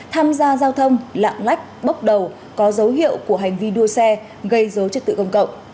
tham gia giao thông lạng lách bốc đầu có dấu hiệu của hành vi đua xe gây dối trật tự công cộng